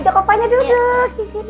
ajak opanya duduk disini